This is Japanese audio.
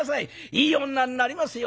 いい女になりますよ！」。